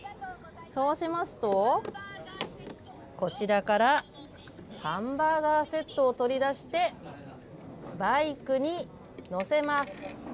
そうしますと、こちらからハンバーガーセットを取り出して、バイクに載せます。